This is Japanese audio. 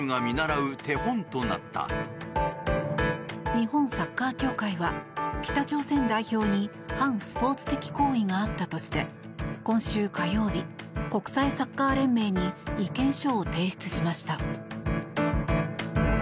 日本サッカー協会は北朝鮮代表に反スポーツ的行為があったとして今週火曜日国際サッカー連盟に意見書を提出しました。